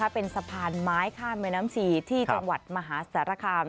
เป็นสะพานไม้ข้ามแม่น้ำชีที่จังหวัดมหาสารคาม